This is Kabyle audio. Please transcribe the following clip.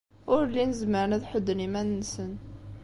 Ur llin zemren ad ḥudden iman-nsen.